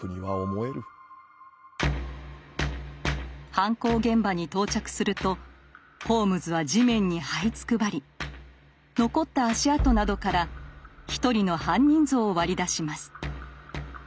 犯行現場に到着するとホームズは地面にはいつくばり残った足跡などから一人の犯人像を割り出します。